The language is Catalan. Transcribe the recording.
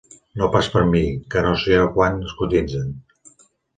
-No pas per mi, que no sé a quant es cotitzen.